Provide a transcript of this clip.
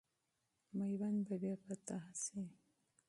میوند به بیا فتح سي.